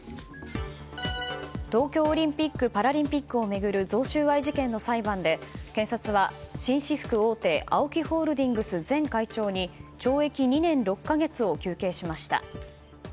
東京オリンピック・パラリンピックを巡る贈収賄事件の裁判で警察は紳士服大手ＡＯＫＩホールディングス前会長に懲役２年６か月を求刑しました。